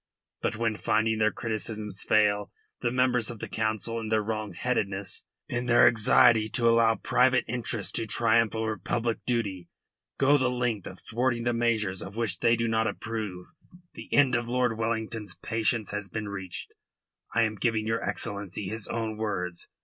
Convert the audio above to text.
But when, finding their criticisms fail, the members of the Council, in their wrongheadedness, in their anxiety to allow private interest to triumph over public duty, go the length of thwarting the measures of which they do not approve, the end of Lord Wellington's patience has been reached. I am giving your Excellency his own words.